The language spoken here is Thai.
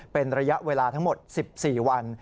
เป็นระยะเวลาทั้งหมด๑๔วัน